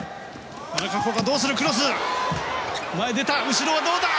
後ろはどうだ？